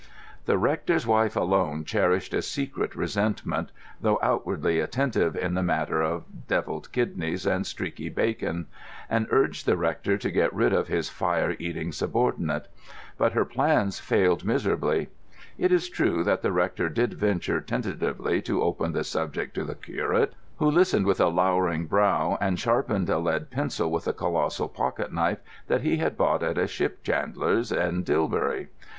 The rector's wife alone cherished a secret resentment (though outwardly attentive in the matter of devilled kidneys and streaky bacon), and urged the rector to get rid of his fire eating subordinate; but her plans failed miserably. It is true that the rector did venture tentatively to open the subject to the curate, who listened with a lowering brow and sharpened a lead pencil with a colossal pocket knife that he had bought at a ship chandler's in Dilbury.